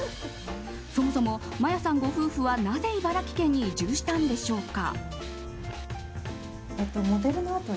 そもそも、マヤさんご夫婦はなぜ茨城県に移住したんでしょうか。